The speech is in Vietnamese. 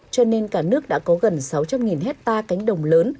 cho nên cả nước đã có gần sáu trăm linh hectare cánh đồng lớn